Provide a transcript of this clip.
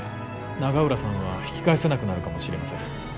永浦さんは引き返せなくなるかもしれません。